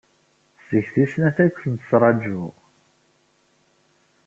Seg tis snat ay la ken-ttṛajuɣ.